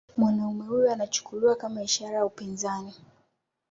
Mwanaume huyu anachukuliwa kama ishara ya upinzani